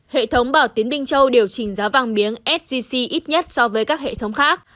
hệ thống bảo tiến binh châu điều chỉnh giá vàng miếng scg ít nhất so với các hệ thống khác